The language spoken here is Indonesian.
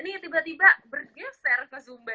nih tiba tiba bergeser ke zumba